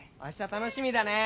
楽しみだね